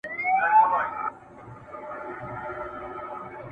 سلامونه سهار مو ګلورین..